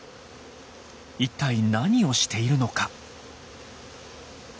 一体何をしているのか？